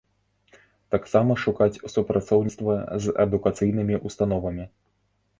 Таксама шукаць супрацоўніцтва з адукацыйнымі ўстановамі.